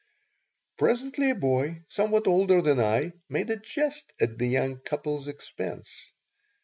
Presently a boy, somewhat older than I, made a jest at the young couple's expense.